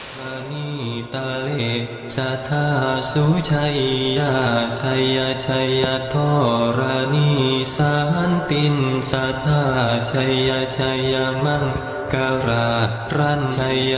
อย่าป้าตาวิงทรัพย์ท้ำไชยะชายอยู่เอาสิปรมมา